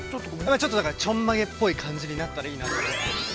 ◆ちょっと、ちょんまげっぽい感じになったら、いいなと思って。